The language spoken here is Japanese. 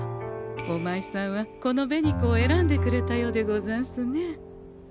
おまいさんはこの紅子を選んでくれたようでござんすね。